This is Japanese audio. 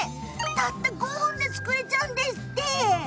たった５分で作れちゃうんですって。